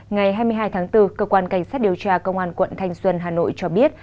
ngày hai mươi hai tháng bốn cơ quan cảnh sát điều tra công an quận thanh xuân hà nội cho biết